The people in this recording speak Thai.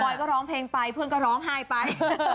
อยก็ร้องเพลงไปเพื่อนก็ร้องไห้ไป